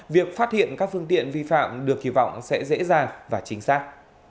việc phát hiện các phương tiện vi phạm được kỳ vọng sẽ dễ dàng và chính xác